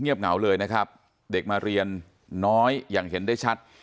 เหงาเลยนะครับเด็กมาเรียนน้อยอย่างเห็นได้ชัด